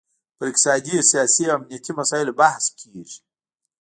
پر اقتصادي، سیاسي او امنیتي مسایلو بحث کیږي